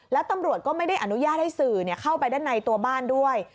แล้วตำรวจก็ไม่ได้อนุญาตให้สื่อเข้าไปด้านในตัวบ้านด้วย